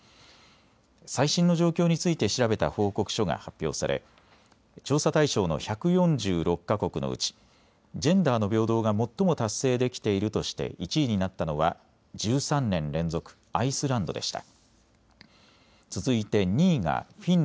最新の状況について調べた報告書が発表され調査対象の１４６か国のうちジェンダーの平等が最も達成できているとして１位になったのは１３年連続アイスランドでした。